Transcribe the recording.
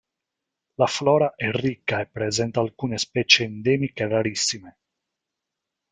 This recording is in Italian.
La flora è ricca e presenta alcune specie endemiche rarissime.